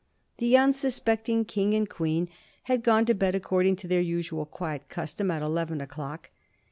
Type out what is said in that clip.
The unsuspecting King and Queen had gone to bed, according to their usual quiet custom, at eleven o'clock.